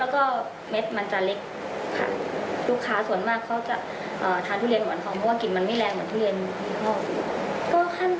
ก็เลยเปิดรับออร์เดอร์เรื่อย